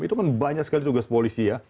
itu kan banyak sekali tugas polisi ya